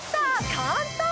簡単！